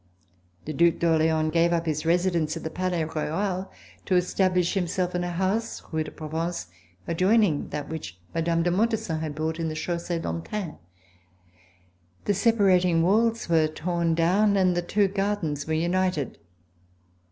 The Due d'Orleans gave up his residence in the Palais Royal to establish himself in a house, Rue de Provence, adjoining that which Mme. de Montesson had bought in the Chaussee d'Antin. The separating walls were torn down and the two gardens were united.